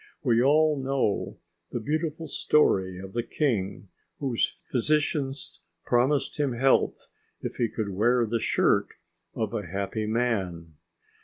We all know the beautiful story of the king whose physicians promised him health if he could wear the shirt of a happy man.